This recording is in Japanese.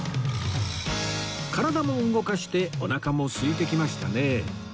体も動かしておなかもすいてきましたねえ